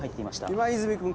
今泉君。